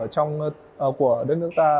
trong của đất nước ta